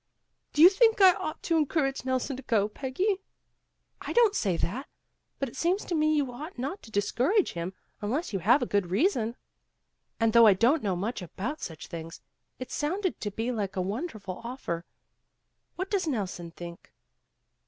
"Do you think I ought to en courage Nelson to go, Peggy?" "I don't say that. But it seems to me you ought not to discourage him, unless you have a good reason. And though I don't know much about such things, it sounded to be like a won derful offer. What does Nelson think?"